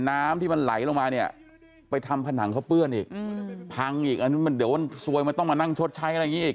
น้ำที่มันไหลลงมาเนี่ยไปทำผนังเขาเปื้อนอีกพังอีกอันนี้มันเดี๋ยวมันซวยมันต้องมานั่งชดใช้อะไรอย่างนี้อีก